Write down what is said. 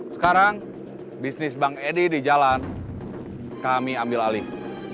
jadi di jalan kami ambil alih